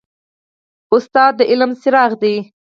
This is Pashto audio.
استاد د علم څراغ دی.